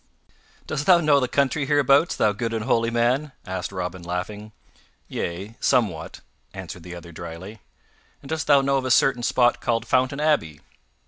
"Doss thou know the country hereabouts, thou good and holy man?" asked Robin, laughing. "Yea, somewhat," answered the other dryly. "And dost thou know of a certain spot called Fountain Abbey?"